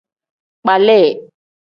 Kpali.